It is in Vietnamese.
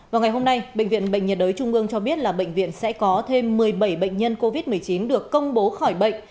vào ngày hôm nay bệnh viện bệnh nhiệt đới trung ương cho biết là bệnh viện sẽ có thêm một mươi bảy bệnh nhân covid một mươi chín được công bố khỏi bệnh